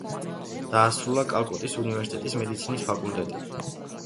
დაასრულა კალკუტის უნივერსიტეტის მედიცინის ფაკულტეტი.